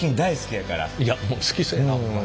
いやもう好きそうやなホンマに。